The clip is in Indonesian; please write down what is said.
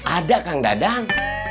ada kang dadang